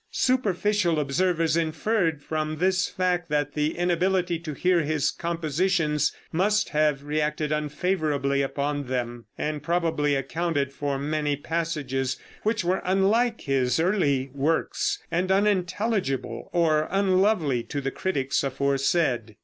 Superficial observers inferred from this fact that the inability to hear his compositions must have reacted unfavorably upon them, and probably accounted for many passages which were unlike his early works, and unintelligible or unlovely to the critics aforesaid.